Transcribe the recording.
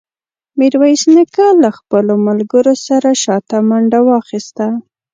میرویس نیکه له خپلو ملګرو سره شاته منډه واخیسته.